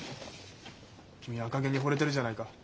君赤ゲンにほれてるじゃないか。